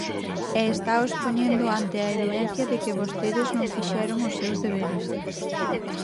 E estaos poñendo ante a evidencia de que vostedes non fixeron os seus deberes.